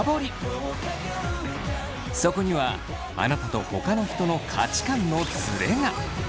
そこにはあなたとほかの人の価値観のズレが！